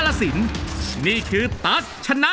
ช่วยฝังดินหรือกว่า